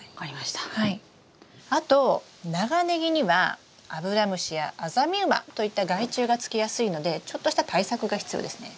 あと長ネギにはアブラムシやアザミウマといった害虫がつきやすいのでちょっとした対策が必要ですね。